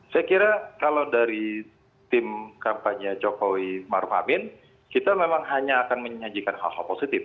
saya kira kalau dari tim kampanye jokowi maruf amin kita memang hanya akan menyajikan hal hal positif